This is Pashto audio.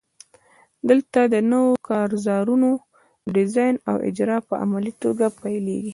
دلته د نویو کارزارونو ډیزاین او اجرا په عملي توګه پیلیږي.